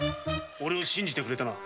オレを信じてくれたな。